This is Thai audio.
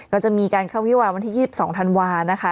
ก็จะมีการเข้าวิวาวันที่๒๒ธันวานะคะ